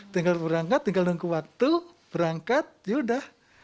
tinggal berangkat tinggal nunggu waktu berangkat yaudah